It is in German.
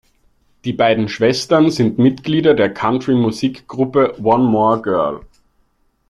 Die beiden Schwestern sind Mitglieder der Country-Musik Gruppe "One More Girl".